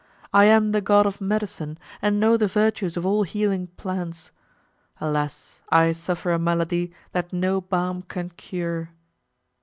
I am the god of medicine, and know the virtues of all healing plants. Alas! I suffer a malady that no balm can cure!"